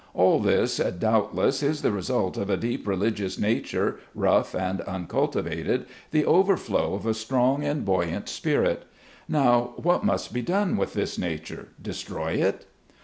All this, doubtless, is the result of a deep religious nature, rough and uncultivated, the overflow of a strong and buoyant spirit. Now, what must be done with this nature? destroy it